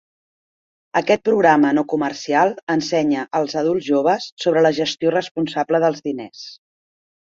Aquest programa no comercial ensenya els adults joves sobre la gestió responsable dels diners.